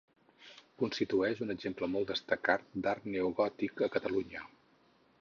Constitueix un exemple molt destacat d'art neogòtic a Catalunya.